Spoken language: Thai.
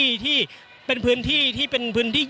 อย่างที่บอกไปว่าเรายังยึดในเรื่องของข้อ